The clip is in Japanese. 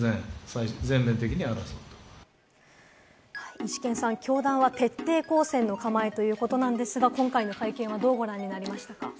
イシケンさん、教団は徹底抗戦の構えということなんですが、今回の会見はどうご覧になりましたか？